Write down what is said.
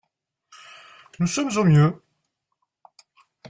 Nous sommes au mieux.